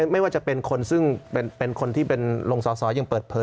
ไม่ว่าจะเป็นคนซึ่งเป็นคนที่เป็นลงสอสอยังเปิดเผย